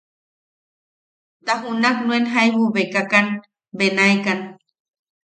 Ta junak nuen jaibu bekakan benaekan.